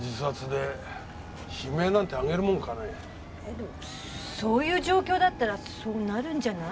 でもそういう状況だったらそうなるんじゃない？